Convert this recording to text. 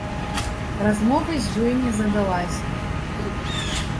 Размова з ёй не задалася.